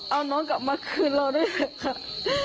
เอาน้องกลับมาคืนเราด้วยแหละครับ